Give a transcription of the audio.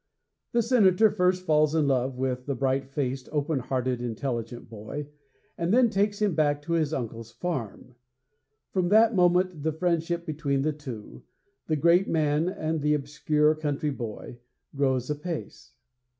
The Senator first falls in love with the bright faced, open hearted, intelligent boy, and then takes him back to his uncle's farm. From that moment the friendship between the two the great man and the obscure country boy grows apace.